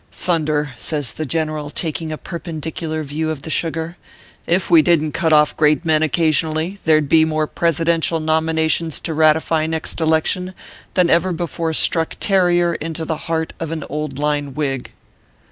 Thunder \" says the general, taking a perpendicular view of the sugar " if we didn t cut off great men occasionally, there d be more presi dential nominations to ratify next election than ever before struck terrier to the heart of an old line whig."